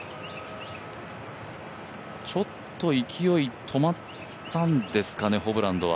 ちょっと勢い止まったんですかね、ホブランドは。